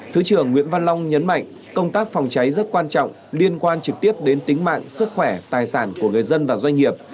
thứ trưởng nguyễn văn long nhấn mạnh công tác phòng cháy rất quan trọng liên quan trực tiếp đến tính mạng sức khỏe tài sản của người dân và doanh nghiệp